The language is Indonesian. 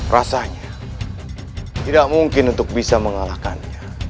rasanya tidak mungkin untuk bisa mengalahkannya